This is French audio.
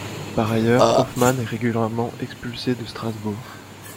Par ailleurs, Hoffman est régulièrement expulsé de Strasbourg.